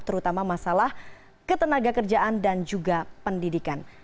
terutama masalah ketenaga kerjaan dan juga pendidikan